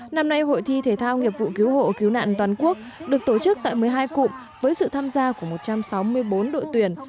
năm nay hội thi thể thao nghiệp vụ cứu hộ cứu nạn toàn quốc được tổ chức tại một mươi hai cụm với sự tham gia của một trăm sáu mươi bốn đội tuyển